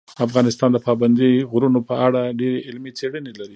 افغانستان د پابندي غرونو په اړه ډېرې علمي څېړنې لري.